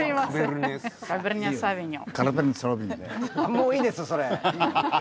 もういいですそれ。